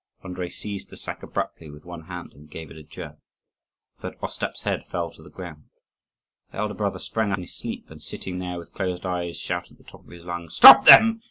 Andrii seized the sack abruptly with one hand and gave it a jerk, so that Ostap's head fell to the ground. The elder brother sprang up in his sleep, and, sitting there with closed eyes, shouted at the top of his lungs, "Stop them!